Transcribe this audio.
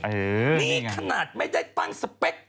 นี่ไงเออนี่ขนาดไม่ได้ตั้งสเปค